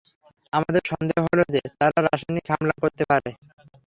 আমাদের সন্দেহ হলো যে, তারা রাসায়নিক হামলা করতে পারে।